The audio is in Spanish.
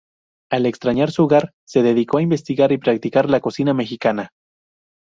Al extrañar su hogar, se dedicó a investigar y practicar la cocina mexicana.